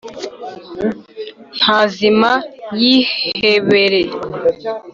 nta zima yihebere,